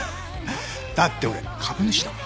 だって俺株主だもん。